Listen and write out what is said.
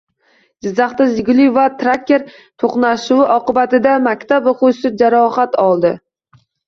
Jizzaxda “Jiguli” va Tracker to‘qnashuvi oqibatida maktab o‘quvchisi jarohat oldi